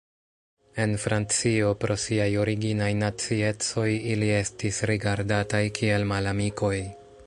En Francio pro siaj originaj naciecoj ili estis rigardataj kiel malamikoj.